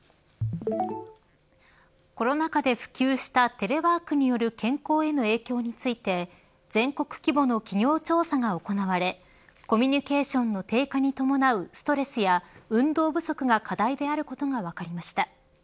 コロナ禍で普及したテレワークによる健康への影響について全国規模の企業調査が行われコミュニケーションの低下に伴うストレスや運動不足が課題であることが分かりました。